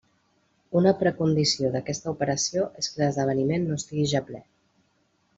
Una precondició d'aquesta operació és que l'esdeveniment no estigui ja ple.